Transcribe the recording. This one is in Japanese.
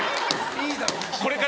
いいだろ。